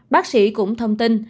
bác sĩ cũng thông tin